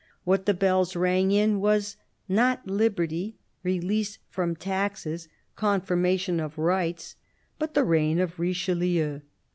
What the bells rang in was not liberty, release from taxes, confirmation of rights, but the reign of Richelieu.